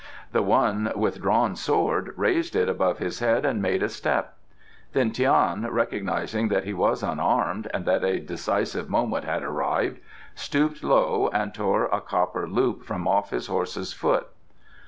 The one with drawn sword raised it above his head and made a step. Then Tian, recognizing that he was unarmed, and that a decisive moment had arrived, stooped low and tore a copper hoop from off his horse's foot.